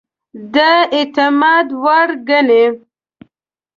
د اعتماد وړ ګڼي.